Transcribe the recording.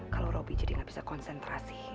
kalau roby jadi gak bisa konsentrasi